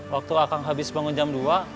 waktu akan habis bangun jam dua